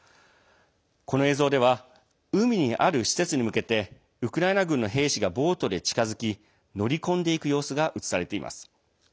この映像では海にある施設に向けてウクライナ軍の兵士がボートで近づき乗り込んでいく様子が映されています。